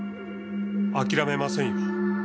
諦めませんよ。